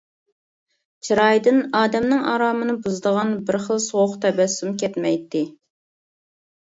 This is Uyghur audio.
چىرايىدىن ئادەمنىڭ ئارامىنى بۇزىدىغان بىر خىل سوغۇق تەبەسسۇم كەتمەيتتى.